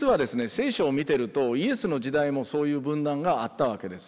聖書を見てるとイエスの時代もそういう分断があったわけです。